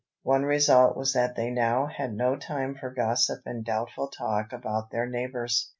One result was that they now had no time for gossip and doubtful talk about their neighbours.